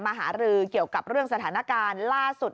หารือเกี่ยวกับเรื่องสถานการณ์ล่าสุด